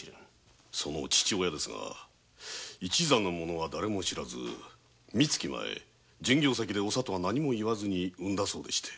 その父親ですが一座の者はだれも知らず三月前巡業の旅先でお里は何も言わずに産んだそうでして。